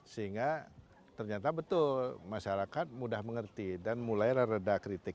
sehingga ternyata betul masyarakat mudah mengerti dan mulailah reda kritik